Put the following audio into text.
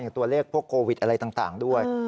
ตัวเลขพวกโควิดอะไรต่างด้วย